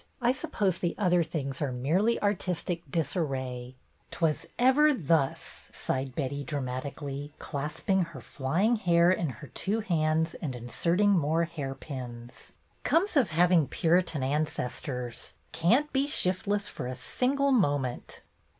I suppose the other things are merely artistic disarray." "'T was ever thus !" sighed Betty, dramatic ally, clasping her flying hair in her two hands and inserting more hairpins. "Comes of hav ing Puritan ancestors. Can't be shiftless for a single moment."